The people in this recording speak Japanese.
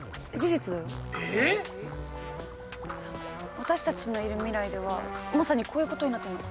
私たちのいる未来ではまさにこういうことになってるの。